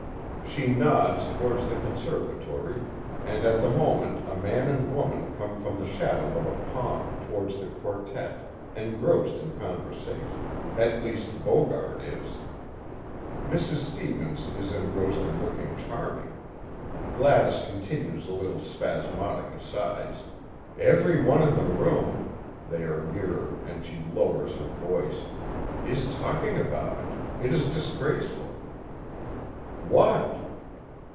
She nods towards the conservatory, and at the moment a man and woman come from the shadow of a palm, towards the quartette, engrossed in conversation at least, Bogart is. Mrs. Stevens is engrossed in looking charming. Gladys continues in little spasmodic asides: "Every one in the room " they are nearer, and she lowers her voice, "is talking about it. It is disgraceful." "What?"